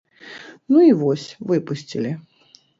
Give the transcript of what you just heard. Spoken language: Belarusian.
Ну і вось, выпусцілі.